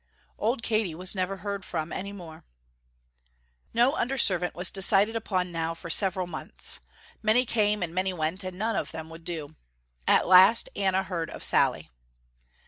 Old Katy was never heard from any more. No under servant was decided upon now for several months. Many came and many went, and none of them would do. At last Anna heard of Sallie.